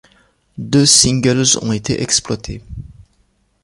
Deux singles ont été exploités.